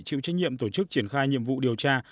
chịu trách nhiệm tổ chức triển khai nhiệm vụ điều tra